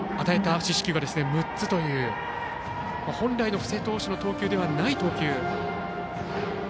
与えた四死球は６つという本来の布施投手の投球ではない投球。